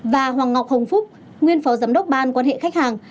và hoàng ngọc hồng phúc nguyên phó giám đốc ban quan hệ khách hàng